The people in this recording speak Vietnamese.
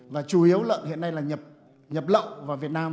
và chủ yếu lợn hiện nay là nhập lậu vào việt nam